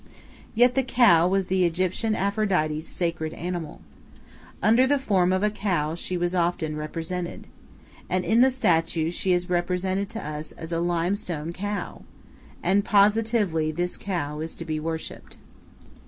Yet the cow was the Egyptian Aphrodite's sacred animal. Under the form of a cow she was often represented. And in the statue she is presented to us as a limestone cow. And positively this cow is to be worshipped.